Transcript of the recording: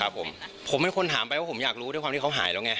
ผมผมเป็นคนถามไปว่าผมอยากรู้ด้วยความที่เขาหายแล้วไง